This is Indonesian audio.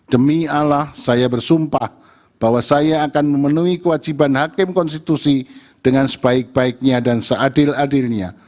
demi allah saya bersumpah bahwa saya akan memenuhi kewajiban hakim konstitusi dengan sebaik baiknya dan seadil adilnya